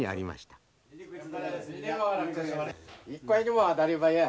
一回でも当たればや。